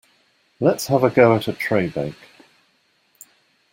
Let's have a go at a tray bake.